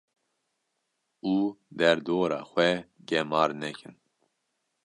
Û derdora xwe gemar nekin.